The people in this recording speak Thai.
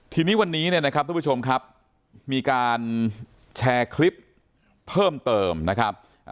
ทีนี้วันนี้เนี่ยนะครับทุกผู้ชมครับมีการแชร์คลิปเพิ่มเติมนะครับ